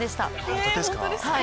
本当ですか？